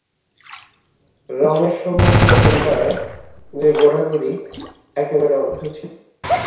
রমেশ সম্বন্ধে তোমরা যে গোড়াগুড়ি একেবারে অন্ধ ছিলে।